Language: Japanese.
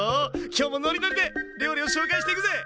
今日もノリノリで料理を紹介していくぜ！